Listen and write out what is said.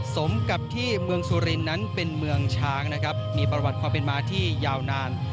สมกับที่เมืองสุรินนั้นเป็นเมืองช้างนะครับมีประวัติความเป็นมาที่ยาวนาน